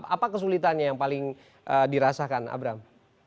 apa kesulitannya yang paling dirasakan abram